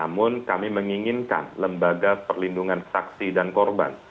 namun kami menginginkan lembaga perlindungan saksi dan korban